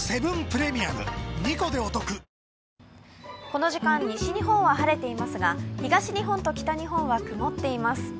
この時間、西日本は晴れていますが、東日本と北日本は曇っています。